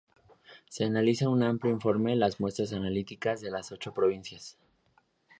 se analiza en un amplio informe las muestras analíticas de las ocho provincias